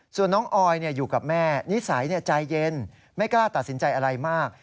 ส่วนน้องออยอยู่กับแม่นิสัยใจเย็นไม่กล้าตัดสินใจอะไรมาก